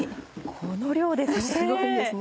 この量ですもんね。